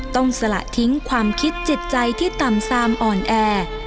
สละทิ้งความคิดจิตใจที่ต่ำซามอ่อนแอ